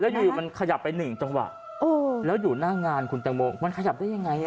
อยู่มันขยับไปหนึ่งจังหวะแล้วอยู่หน้างานคุณแตงโมมันขยับได้ยังไง